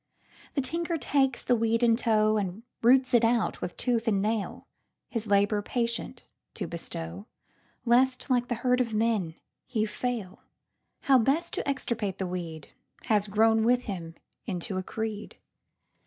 The tinker takes the weed in tow, And roots it out with tooth and nail; His labor patient to bestow, Lest like the herd of men he fail. How best to extirpate the weedHas grown with him into a creed.